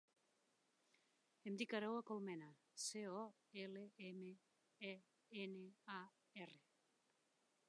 Em dic Aroa Colmenar: ce, o, ela, ema, e, ena, a, erra.